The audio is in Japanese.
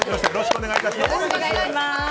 よろしくお願いします。